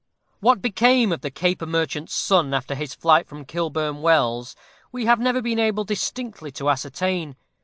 What became of the Caper Merchant's son after his flight from Kilburn Wells we have never been able distinctly to ascertain.